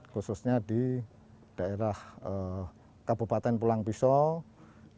khususnya di daerah kabupaten pulang pisau